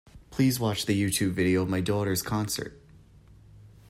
Please watch the Youtube video of my daughter's concert